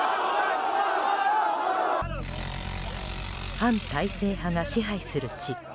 反体制派が支配する地。